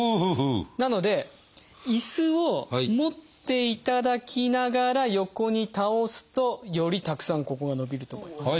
なので椅子を持っていただきながら横に倒すとよりたくさんここが伸びると思います。